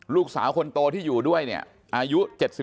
ลูกสาวคนโตที่อยู่ด้วยเนี่ยอายุ๗๒